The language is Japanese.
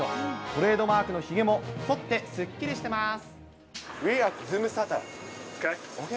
トレードマークのひげもそってすっきりしてます。